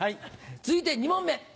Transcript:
続いて２問目。